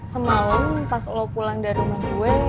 semalam pas lo pulang dari rumah gue